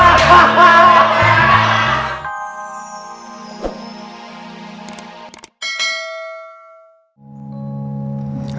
udah apa sih